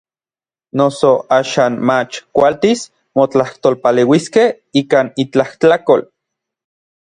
Noso axan mach kualtis motlajtolpaleuiskej ikan intlajtlakol.